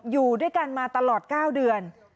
อยู่ด้วยกันมาตลอด๙เดือน